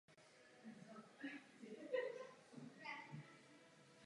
Nakonec získala prezidenta, který je schopen přijímat rozhodnutí.